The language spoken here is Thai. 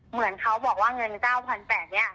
เหมือนเขาบอกว่าเงิน๙๘๐๐บาทเนี่ย